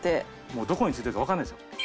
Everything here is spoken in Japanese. もうどこについてるかわかんないですよ。